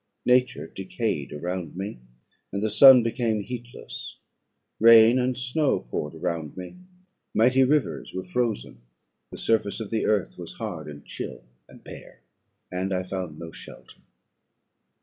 Nature decayed around me, and the sun became heatless; rain and snow poured around me; mighty rivers were frozen; the surface of the earth was hard and chill, and bare, and I found no shelter.